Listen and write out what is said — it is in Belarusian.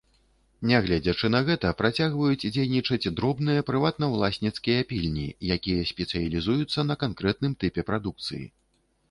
Нягледзячы на гэта, працягваюць дзейнічаць дробныя прыватнаўласніцкія пільні, якія спецыялізуюцца на канкрэтным тыпе прадукцыі.